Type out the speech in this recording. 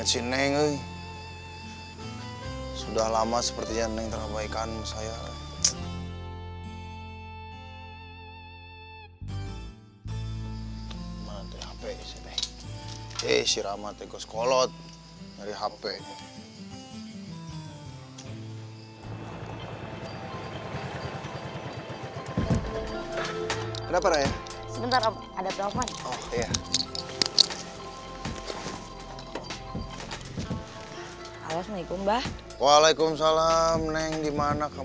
keluar hey kasihkan aja